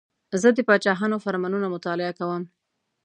زه د پاچاهانو فرمانونه مطالعه کوم.